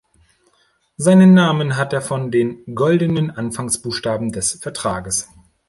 Seinen Namen hat er von den goldenen Anfangsbuchstaben des Vertrags.